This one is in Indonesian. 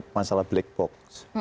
masalah black box